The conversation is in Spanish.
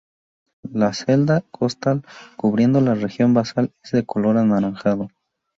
La celda costal cubriendo la región basal es de color anaranjado.